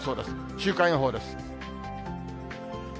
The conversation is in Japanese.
週間予報です。